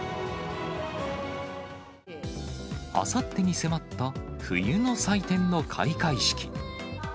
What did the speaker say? あさってに迫った冬の祭典の開会式。